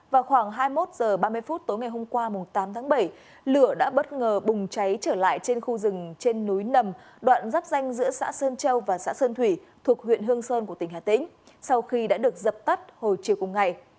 vào khoảng hai mươi một h ba mươi phút tối ngày hôm qua tám tháng bảy lửa đã bất ngờ bùng cháy trở lại trên khu rừng trên núi nầm đoạn rắp danh giữa xã sơn châu và xã sơn thủy thuộc huyện hương sơn của tỉnh hà tĩnh sau khi đã được dập tắt hồi chiều cùng ngày